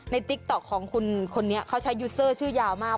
ติ๊กต๊อกของคุณคนนี้เขาใช้ยูเซอร์ชื่อยาวมาก